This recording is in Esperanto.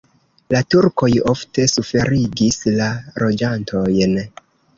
La turkoj ofte suferigis la loĝantojn.